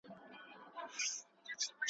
راسه که راځې وروستی سهار دی بیا به نه وینو `